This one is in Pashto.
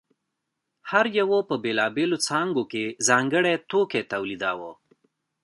هر یوه په بېلابېلو څانګو کې ځانګړی توکی تولیداوه